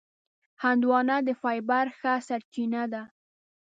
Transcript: هندوانه د فایبر ښه سرچینه ده.